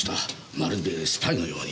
まるでスパイのように。